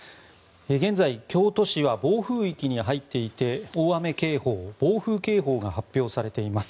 現在京都市は暴風域に入っていて大雨警報、暴風警報が発表されています。